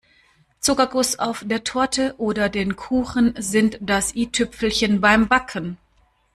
Zuckerguss auf der Torte oder den Kuchen sind das I-Tüpfelchen beim Backen.